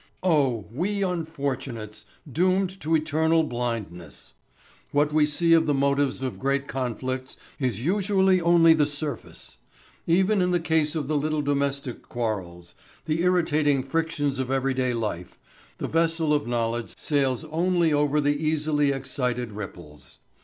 Oh, we unfortunates, doomed to eternal blindness! What we see of the motives of great conflicts is usually only the surface. Even in the case of the little domestic quarrels, the irritating frictions of everyday life, the vessel of knowledge sails only over the easily excited ripples.